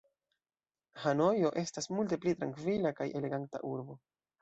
Hanojo estas multe pli trankvila kaj eleganta urbo.